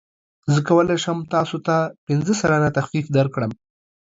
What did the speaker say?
زه کولی شم تاسو ته پنځه سلنه تخفیف درکړم.